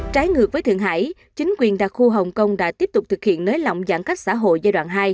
trái ngược với thượng hải chính quyền đặc khu hồng kông đã tiếp tục thực hiện nới lỏng giãn cách xã hội giai đoạn hai